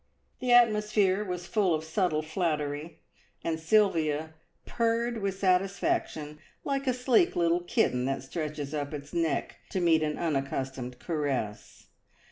The atmosphere was full of subtle flattery, and Sylvia purred with satisfaction like a sleek little kitten that stretches up its neck to meet an unaccustomed caress.